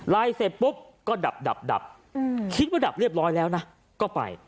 เสร็จปุ๊บก็ดับคิดว่าดับเรียบร้อยแล้วนะก็ไป